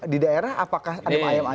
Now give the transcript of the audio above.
di daerah apakah ada mayem mayem atau